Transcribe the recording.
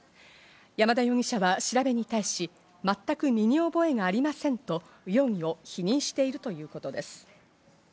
山田容疑者は調べに対し、全く身に覚えがありませんと容疑を否認しているということです。